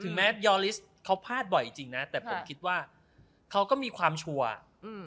แม้ยอลิสเขาพลาดบ่อยจริงจริงนะแต่ผมคิดว่าเขาก็มีความชัวร์อืม